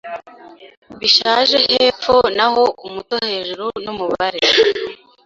bishaje hepfo naho umuto hejuru numubare